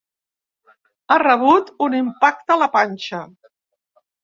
Ha rebut un impacte a la panxa.